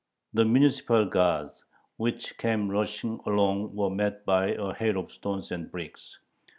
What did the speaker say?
The municipal guards, which came rushing along, were met by a hail of stones and bricks.